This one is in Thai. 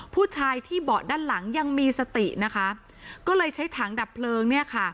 ผู้ชายที่เบาะด้านหลังยังมีสตินะคะก็เลยใช้ถังดับเพลิงเนี่ยค่ะ